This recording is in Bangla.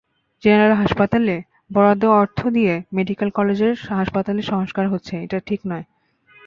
জেনারেল হাসপাতালের বরাদ্দের অর্থ দিয়ে মেডিকেল কলেজ হাসপাতালের সংস্কার হচ্ছে—এটা ঠিক নয়।